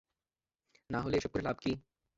না হলে এসব করে লাভ কী?